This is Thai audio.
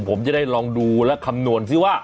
ผมจะได้ลองดูและคำนวณซิว่า